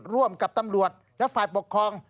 ร่วมกับตำรวจและฝ่ายปกครอง